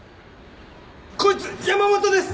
こいつ山本です！